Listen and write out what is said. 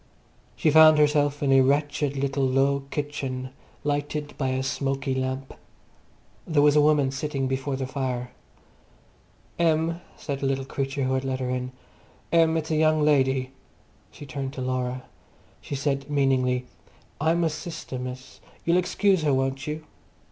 She found herself in a wretched little low kitchen, lighted by a smoky lamp. There was a woman sitting before the fire. "Em," said the little creature who had let her in. "Em! It's a young lady." She turned to Laura. She said meaningly, "I'm 'er sister, miss. You'll excuse 'er, won't you?"